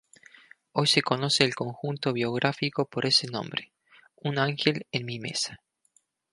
Hoy se conoce el conjunto biográfico por ese nombre: "Un ángel en mi mesa".